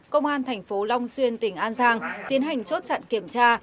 công an thành phố long xuyên tỉnh an giang tiến hành chốt chặn kiểm tra